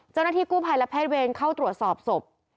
เจ้าหน้าที่กู้ภัยและแพทย์เวรเข้าตรวจสอบศพ